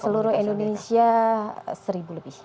seluruh indonesia seribu lebih